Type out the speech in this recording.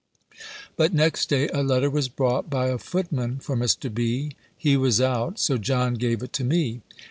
But next day a letter was brought by a footman for Mr. B. He was out: so John gave it to me.